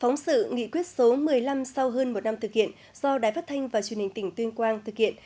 phóng sự nghị quyết số một mươi năm sau hơn một năm thực hiện do đài phát thanh và truyền hình tỉnh tuyên quang thực hiện